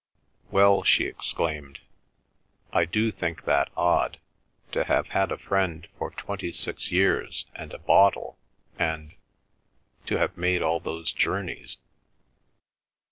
"Well," she exclaimed, "I do think that odd; to have had a friend for twenty six years, and a bottle, and—to have made all those journeys."